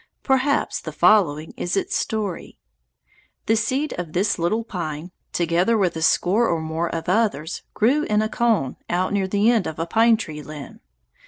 Perhaps the following is its story: The seed of this little pine, together with a score or more of others, grew in a cone out near the end of the pine tree limb.